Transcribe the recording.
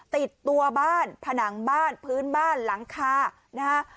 ติดตัวบ้านผนังบ้านพื้นบ้านหลังคานะฮะ